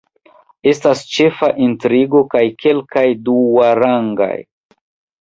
Estas ĉefa intrigo kaj kelkaj duarangaj.